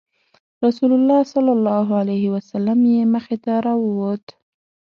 رسول الله صلی الله علیه وسلم یې مخې ته راووت.